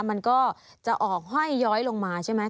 มันก็จะออกห้อยย้อยลงมาใช่ไหม